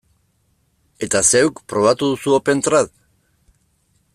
Eta zeuk, probatu duzu OpenTrad?